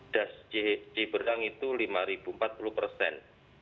das ciberang itu lima ribu empat puluh persen